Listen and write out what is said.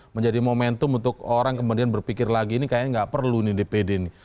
menjadi momentum untuk orang kemudian berpikir lagi ini kayaknya nggak perlu nih dpd nih